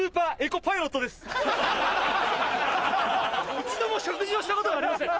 一度も食事をしたことがありません。